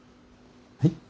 はい？